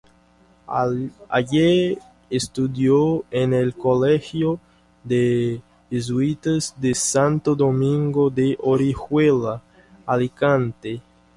Allí estudió en el colegio de jesuitas de Santo Domingo de Orihuela, Alicante.